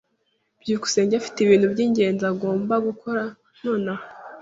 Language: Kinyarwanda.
byukusenge afite ibintu byingenzi agomba gukora nonaha.